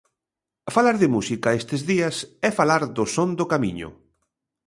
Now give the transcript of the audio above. Falar de música estes días é falar do Son do Camiño.